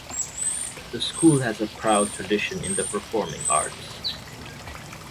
The school has a proud tradition in the performing arts.